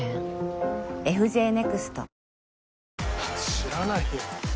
知らないよ。